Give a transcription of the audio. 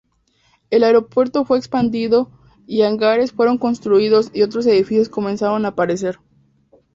El aeropuerto fue expandido y hangares fueron construidos y otros edificios comenzaron a aparecer.